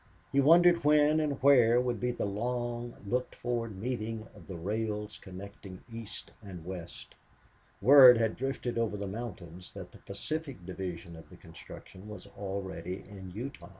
He wondered when and where would be the long looked for meeting of the rails connecting East with West. Word had drifted over the mountains that the Pacific division of the construction was already in Utah.